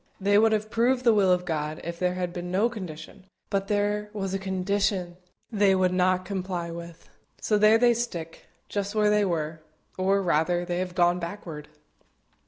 They would have proved the will of God if there had been no condition; but there was a condition they would not comply with; so there they stick, just where they were or, rather, they have gone backward.